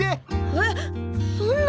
えっそんな！？